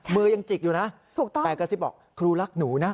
มือยังจิกอยู่นะถูกต้องแต่กระซิบบอกครูรักหนูนะ